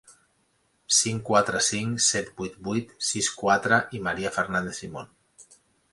Cinc quatre cinc set vuit vuit sis quatre i Maria Fernández Simón.